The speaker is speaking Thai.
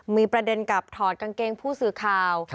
มีประเด็นกับถอดกางเกงผู้สื่อข่าว